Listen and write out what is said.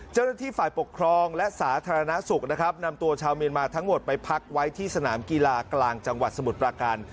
เจ้าหน้าที่ฝ่ายปกครองและสาธารณสุขนะครับนำตัวชาวเมียนมาทั้งหมดไปพักไว้ที่สนามกีฬากลางจังหวัดสมุทรประการ